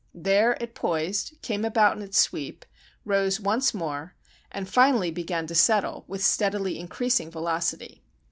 There it poised, came about in its sweep, rose once more, and finally began to settle with steadily increasing velocity.